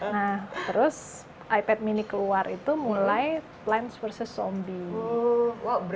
nah terus ipad mini keluar itu mulai plans versus zombie